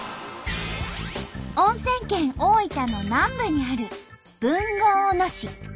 温泉県大分の南部にある豊後大野市。